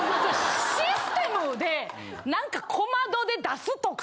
システムでなんか小窓で出すとか。